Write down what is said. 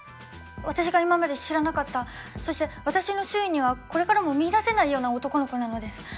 私が今まで知らなかったそして私の周囲にはこれからも見いだせないような男の子なのです。